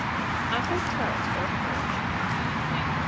APPLE TART OR PIE. 1233.